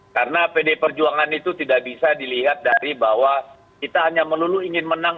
karena pd perjuangan itu tidak bisa dilihat dari bahwa kita hanya melulu ingin menang